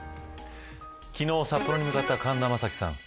昨日、札幌に向かった神田正輝さん。